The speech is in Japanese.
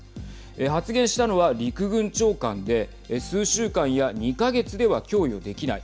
発言したのは陸軍長官で数週間や２か月では供与できない。